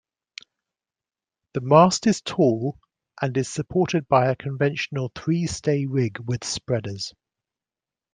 The mast is tall and is supported by a conventional three-stay rig with spreaders.